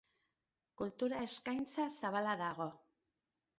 Kultura eskaintza zabala dago.